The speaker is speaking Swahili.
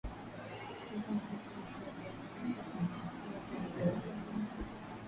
oka mkate wako wa viazi lishe kwa mota mdogo